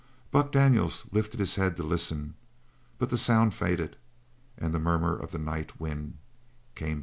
Buck Daniels lifted his head to listen, but the sound faded, and the murmur of the night wind came between.